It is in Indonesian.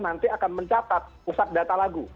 nanti akan mencatat pusat data lagu